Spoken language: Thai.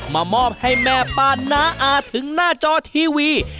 มามอบให้แม่ป้าน้าอาถึงหน้าจอทีวี